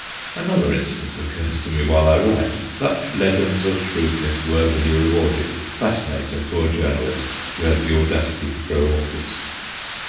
Another instance occurs to me while I write such legends of shrewdness worthily rewarded fascinate a poor journalist who has the audacity to grow orchids.